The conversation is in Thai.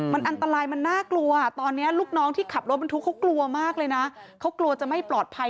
มันอันตรายมันน่ากลัวตอนนี้ลูกน้องที่ขับรถบรรทุกเขากลัวมากเลยนะเขากลัวจะไม่ปลอดภัย